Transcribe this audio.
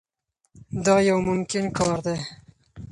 دا یو ممکن کار دی.